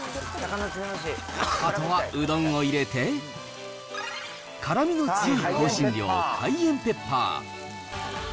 あとはうどんを入れて、辛みの強い香辛料、カイエンペッパー。